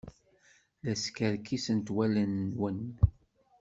La skerkisent wallen-nwen.